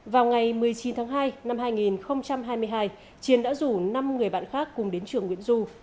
vào ngày một mươi chín tháng hai năm hai nghìn hai mươi hai chiến đã rủ năm người bạn khác cùng đến trường nguyễn du